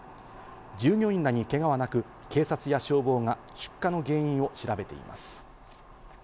従業員らにけがはなく、警察や消防が出火の原因を調べています。